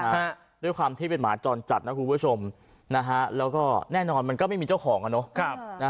ใช่ค่ะด้วยความที่เป็นหมาจรจัดนะครับคุณผู้ชมแล้วก็แน่นอนมันก็ไม่มีเจ้าของอ่ะเนอะ